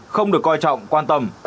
không được coi trọng quan tâm